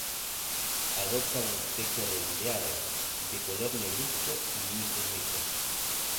Adopta un aspecto redondeado, de color negruzco y límites netos.